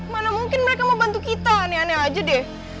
mana mungkin mereka mau bantu kita aneh aneh aja deh